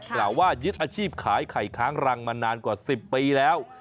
กล่าวว่ายึดอาชีพขายไข่ค้างรังมานานกว่า๑๐ปีแล้ว